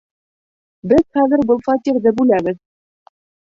Беҙ хәҙер был фатирҙы бүләбеҙ.